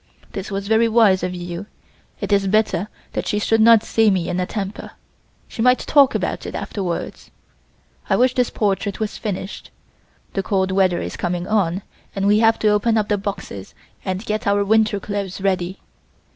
This was very wise of you; it is better that she should not see me in a temper, she might talk about it afterwards. I wish this portrait was finished. The cool weather is coming on and we have to open up the boxes and get our winter clothes ready.